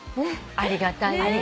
ありがたいね。